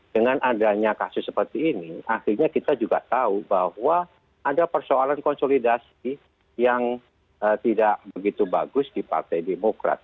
dengan adanya kasus seperti ini artinya kita juga tahu bahwa ada persoalan konsolidasi yang tidak begitu bagus di partai demokrat